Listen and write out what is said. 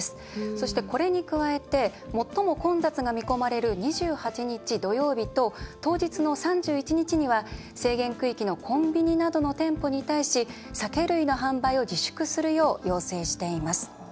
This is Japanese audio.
そして、これに加えて最も混雑が見込まれる２８日土曜日と当日の３１日には制限区域のコンビニなどの店舗に対し酒類の販売を自粛するよう要請しています。